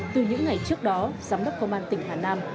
từ những ngày trước đó giám đốc công an tỉnh hà nam